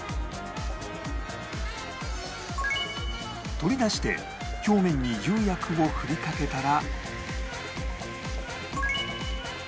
取り出して表面に釉薬を振りかけたら